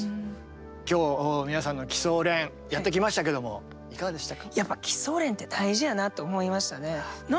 今日皆さんの基礎練やってきましたけどもいかがでしたか？